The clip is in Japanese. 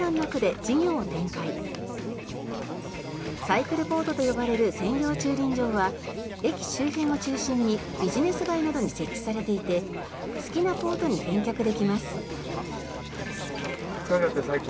サイクルポートと呼ばれる専用駐輪場は駅周辺を中心にビジネス街などに設置されていて好きなポートに返却できます。